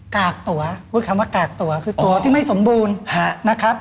กากตั๋วพูดคำว่ากากตั๋คือตัวที่ไม่สมบูรณ์นะครับ